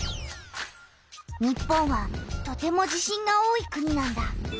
日本はとても地震が多い国なんだ。